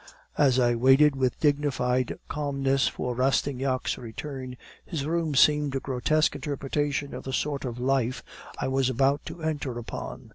"As I waited with dignified calmness for Rastignac's return, his room seemed a grotesque interpretation of the sort of life I was about to enter upon.